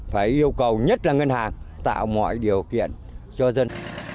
phải yêu cầu nhất là ngân hàng tạo mọi điều kiện cho dân